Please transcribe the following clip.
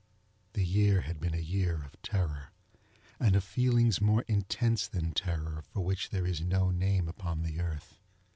The year had been a year of terror, and of feelings more intense than terror for which there is no name upon the earth.